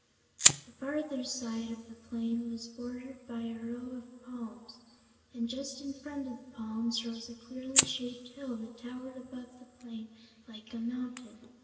The farther side of the plain was bordered by a row of palms, and just in front of the palms rose a queerly shaped hill that towered above the plain like a mountain.